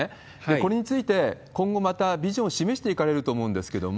これについて、今後またビジョン、示していかれると思うんですけれども。